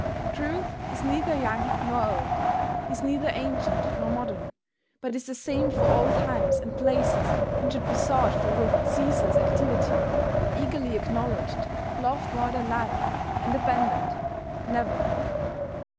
Truth is neither young nor old, is neither ancient nor modern, but is the same for all times and places and should be sought for with ceaseless activity, eagerly acknowledged, loved more than life, and abandoned never.